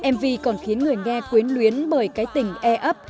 mv còn khiến người nghe quyến luyến bởi cái tình e ấp